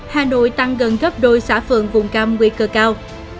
hà nội tăng gần gấp đôi xã phường vùng cam nguy cơ cao